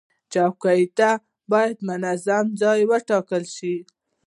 چوکۍ ته باید منظم ځای وټاکل شي.